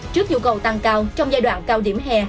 trước nhu cầu tăng cao trong giai đoạn cao điểm hè